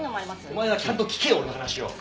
お前はちゃんと聞けよ俺の話を。